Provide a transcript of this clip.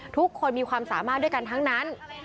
ทุกคนมีความสามารถด้วยกันทั้งนั้น